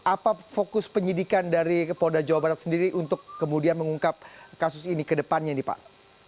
apa fokus penyidikan dari polda jawa barat sendiri untuk kemudian mengungkap kasus ini ke depannya ini pak